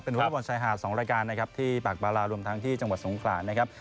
เป็นวอร์เรย์บอลชายหาดสองรายการนะครับที่ปากบารารวมทางที่จังหวัดสงครานะครับ